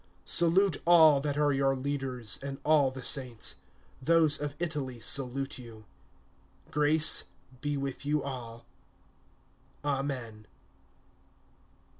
(24)Salute all that are your leaders, and all the saints. Those of Italy salute you. (25)Grace be with you all. Amen.